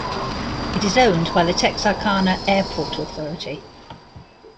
It is owned by the Texarkana Airport Authority.